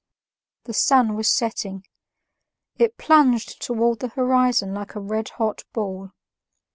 The sun was setting; it plunged towards the horizon like a redhot ball.